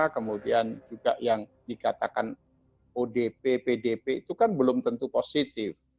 kemudian juga yang dikatakan odp pdp itu kan belum tentu positif